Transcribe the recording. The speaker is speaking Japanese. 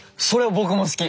僕も好き。